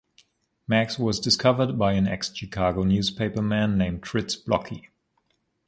Max was discovered by an ex-Chicago newspaper man named Fritz Blocki.